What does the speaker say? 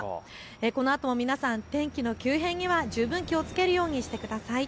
このあとも皆さん、天気の急変には十分気をつけるようにしてください。